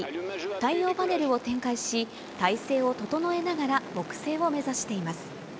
太陽パネルを展開し、体勢を整えながら木星を目指しています。